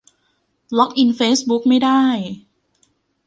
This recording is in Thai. ล็อกอินเฟซบุ๊กไม่ได้